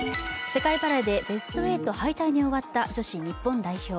世界バレーでベスト８敗退で終わった女子日本代表。